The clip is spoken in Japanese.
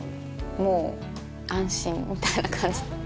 もう安心みたいな感じ。